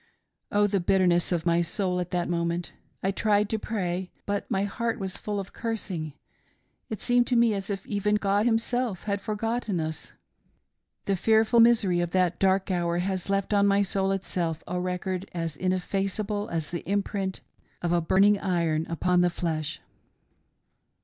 Oh, the bitterness of my soul at th; t moment ! I tried to pray, but my heart was full of cursing ; it seemed to me 9.S if even God Himself had forgotten us. The fearful misery of that dark hour has left on my soul itself a record as ineffaceable as the imprint of a burning iron upon the flesh.